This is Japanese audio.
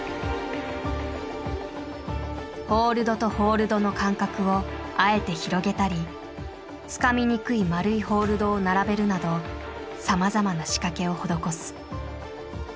ホールドとホールドの間隔をあえて広げたりつかみにくい丸いホールドを並べるなどさまざまな仕掛けを施す。